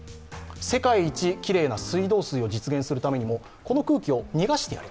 世界一きれいな水道水を実現するためにも、この空気を逃がしてやる。